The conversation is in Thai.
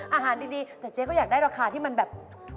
อาหารดีแต่เจ๊ก็อยากได้ราคาที่มันแบบ